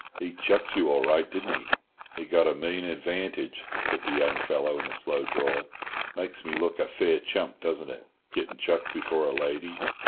"He chucked you all right, didn't he?" "He got a mean advantage," said the young fellow, in a slow drawl. "Makes me look a fair chump, doesn't it, getting chucked before a lady?